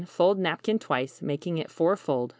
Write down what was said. Fold napkin twice, making it fourfold.